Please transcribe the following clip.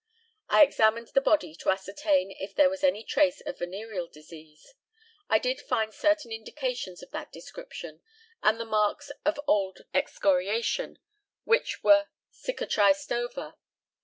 I examined the body to ascertain if there was any trace of venereal disease. I did find certain indications of that description, and the marks of an old excoriation, which were cicatriced over.